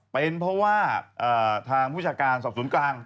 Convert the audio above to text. เป็นเพราะว่าทางผู้ชาการสอบสวนกลาง